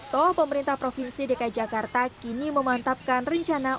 toh pemerintah provinsi dki jakarta kini memantapkan rencana